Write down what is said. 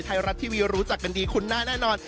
ไทยรัฐทีวีรู้จักกันดีคุ้นหน้าแน่นอน